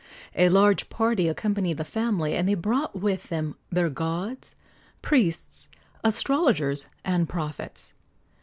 A large party accompanied the family, and they brought with them their gods, priests, astrologers and prophets.